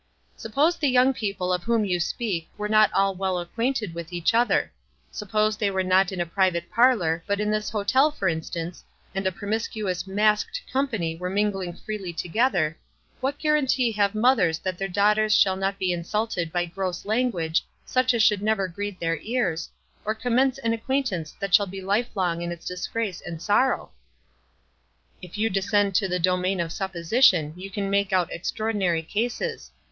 " Suppose the young people of whom you speak were not all well acquainted with each other, — suppose they were not in a private parlor, but in this hotel for instance, and a pro miscuous mashed company were mingling freely together, what guarantee have mothers that their daughters shall not be insulted by gross, language such as should never greet their ears, or commence an acquaintance that shall be life long in its disgrace and sorrow?" "If } T ou descend to the domain of supposition you can make out extraordinary cases.